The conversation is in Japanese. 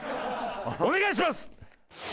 お願いします！